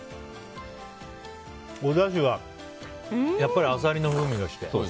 おだしがやっぱりアサリの風味がして。